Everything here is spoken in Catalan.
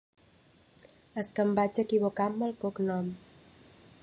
Es que em vaig equivocar amb el cognom.